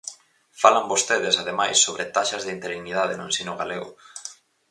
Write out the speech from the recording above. Falan vostedes, ademais, sobre taxas de interinidade no ensino galego.